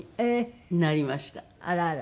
あらあら。